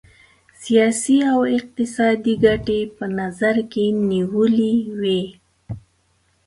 سیاسي او اقتصادي ګټي په نظر کې نیولي وې.